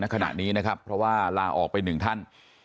ขณะนี้นะครับเพราะว่าลาออกไปหนึ่งท่าน